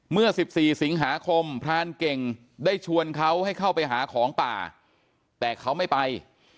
เมื่อ๑๔สิงหาคมพรานเก่งได้ชวนเขาให้เข้าไปหาของป่าแต่เขาไม่ไป